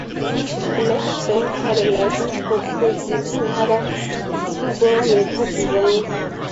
Blackburn had a licence for producing other Turbomeca designs.